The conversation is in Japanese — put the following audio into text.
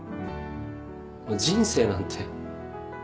人生なんて。